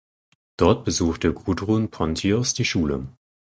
Dort besuchte Gudrun Pontius die Schule.